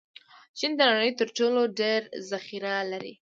چین د نړۍ تر ټولو ډېر ذخیره لري.